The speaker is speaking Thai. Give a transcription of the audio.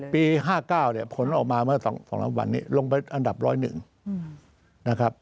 ปี๕๙ผลออกมาเมื่อสองสัปดาห์วันนี้ลงไปอันดับ๑๐๑